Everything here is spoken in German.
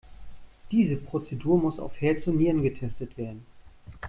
Diese Prozedur muss auf Herz und Nieren getestet werden.